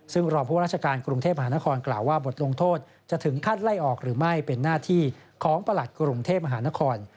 ซึ่งรองผู้ราชการกรุงเทพมหานครกล่าวว่าบทลงโทษจะถึงขั้นไล่ออกหรือไม่เป็นหน้าที่ของประหลัดกรุงเทพมหานคร